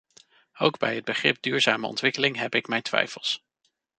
Ook bij het begrip duurzame ontwikkeling heb ik mijn twijfels.